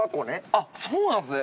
あっそうなんですね。